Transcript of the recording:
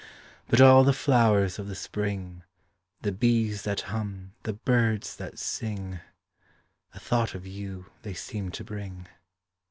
But all the flowers of the spring, The bees that hum, the birds that sing, A thought of you they seem to bring.